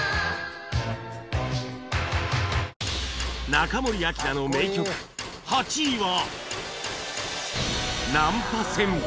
中森明菜の名曲８位は